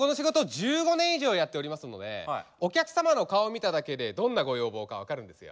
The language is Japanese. １５年以上やっておりますのでお客様の顔を見ただけでどんなご要望か分かるんですよ。